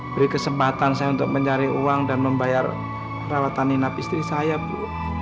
beri kesempatan saya untuk mencari uang dan membayar rawatan inap istri saya bu